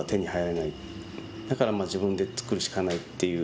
だから自分で作るしかないっていう。